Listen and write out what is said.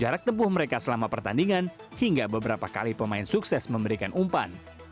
jarak tempuh mereka selama pertandingan hingga beberapa kali pemain sukses memberikan umpan